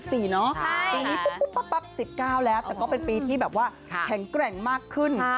ปีนี้ปุ๊บปั๊บ๑๙แล้วแต่ก็เป็นปีที่แบบว่าแข็งแกร่งมากขึ้น